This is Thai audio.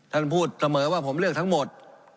ท่านพูดเสมอว่าผมเลือกทั้งหมด